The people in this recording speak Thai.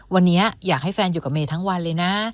วันนี้อยากให้แฟนอยู่กับเมย์ทั้งวันเลยนะ